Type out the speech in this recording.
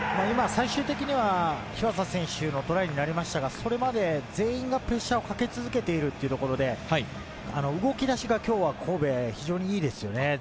今、最終的には日和佐選手のトライになりましたが、それまで全員がプレッシャーをかけ続けているというところで、動き出しが今日は神戸、非常にいいですよね。